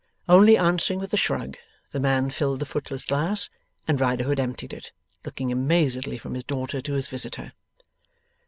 Only answering with a shrug, the man filled the footless glass, and Riderhood emptied it: looking amazedly from his daughter to his visitor.